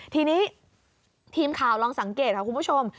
ทีนี้ทีมข่าวลองสังเกตค่ะคุณผู้ชม